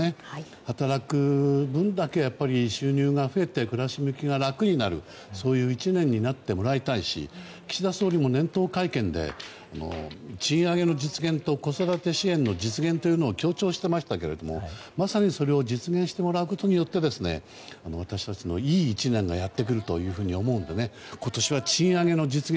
働く分だけ収入が増えて暮らしが楽になるそういう１年になってもらいたいし岸田総理も年頭会見で賃上げの実現と子育て支援の実現というのを強調していましたけれどもまさにそれを実現してもらうことによって私たちのいい１年がやってくると思うので今年は賃上げの実現